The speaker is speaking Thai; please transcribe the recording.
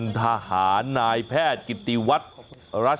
หมอกิตติวัตรว่ายังไงบ้างมาเป็นผู้ทานที่นี่แล้วอยากรู้สึกยังไงบ้าง